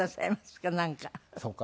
そっか。